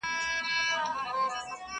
نه په ژوند کي به په موړ سې نه به وتړې بارونه!